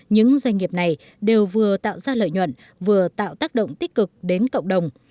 những doanh nghiệp này đều vừa tạo ra lợi nhuận vừa tạo tác động tích cực đến cộng đồng